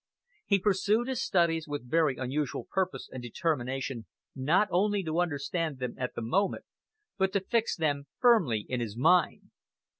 He pursued his studies with very unusual purpose and determination not only to understand them at the moment, but to fix them firmly in his mind.